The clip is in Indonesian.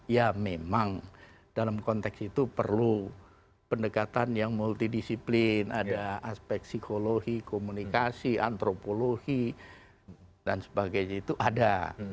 ya memang dalam konteks itu perlu pendekatan yang multidisiplin ada aspek psikologi komunikasi antropologi dan sebagainya itu ada